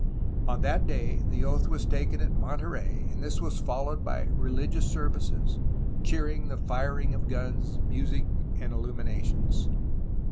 On that day the oath was taken at Monterey, and this was followed by religious services, cheering, the firing of guns, music, and illuminations.